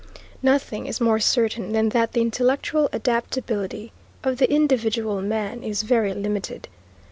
Nothing is more certain than that the intellectual adaptability of the individual man is very limited.